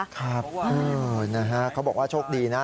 ครับเขาบอกว่าโชคดีนะ